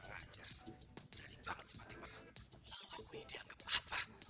anjir jadi banget si fatimah lalu aku ini dianggap apa